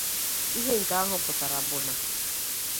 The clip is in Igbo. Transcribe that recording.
Ihe nke ahụ pụtara bụ na